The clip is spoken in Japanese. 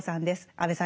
安部さん